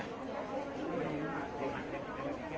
กล้วยสุเตอร์และอีกละ